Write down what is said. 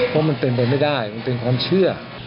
เพราะมันเป็นไปไม่ได้มันเป็นความเชื่อ